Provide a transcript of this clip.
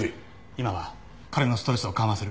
今は彼のストレスを緩和する。